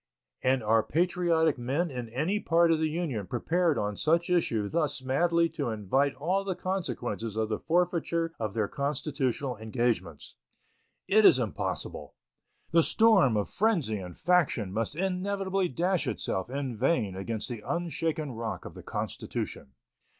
And are patriotic men in any part of the Union prepared on such issue thus madly to invite all the consequences of the forfeiture of their constitutional engagements? It is impossible. The storm of frenzy and faction must inevitably dash itself in vain against the unshaken rock of the Constitution.